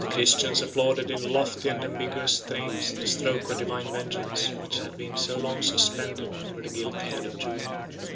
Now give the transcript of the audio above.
The Christians applauded, in lofty and ambiguous strains, the stroke of divine vengeance, which had been so long suspended over the guilty head of Julian.